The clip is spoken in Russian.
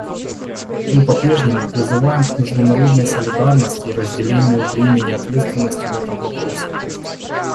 Мы по-прежнему призываем к международной солидарности и разделению бремени ответственности в этом вопросе.